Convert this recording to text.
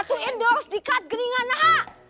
gak tuh endorse di cut geningan hah